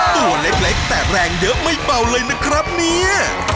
ตัวเล็กแต่แรงเยอะไม่เบาเลยนะครับเนี่ย